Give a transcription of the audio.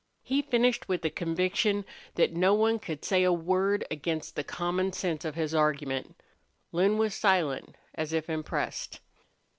He finished with a conviction that no one could say a word against the common sense of his argument. Lin was silent, as if impressed.